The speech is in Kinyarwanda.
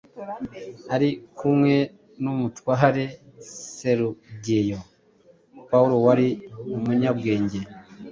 ari kumwe n’umutware Serugiyo Pawulo wari umunyabwenge.